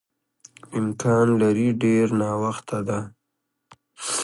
امکان لري ډېر ناوخته ده.